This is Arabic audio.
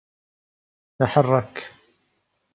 تحرّكِ.